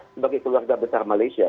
sebagai keluarga besar malaysia